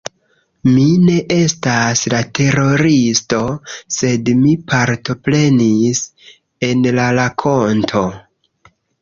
Mi ne estas la teroristo, sed mi partoprenis en la rakonto